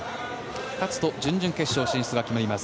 勝つと準々決勝進出が決まります。